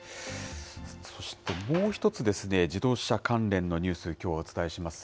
そして、もう１つですね、自動車関連のニュース、きょうはお伝えします。